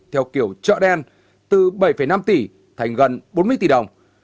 theo kiểu chợ đen từ bảy năm tỷ thành gần bốn mươi tỷ đồng